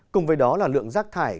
cùng với đó là lượng rác thải